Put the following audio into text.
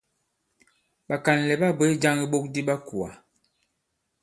Ɓàkànlɛ̀ ɓa bwě jāŋ iɓok di ɓa kùà.